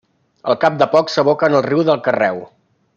Al cap de poc s'aboca en el riu de Carreu.